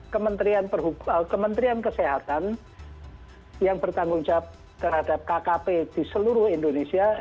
kementerian kesehatan yang bertanggung jawab terhadap kkp di seluruh indonesia